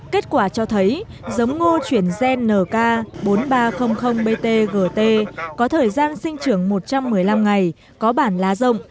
kết quả cho thấy giống ngô chuyển gen nk bốn nghìn ba trăm linh btgt có thời gian sinh trưởng một trăm một mươi năm ngày có bản lá rộng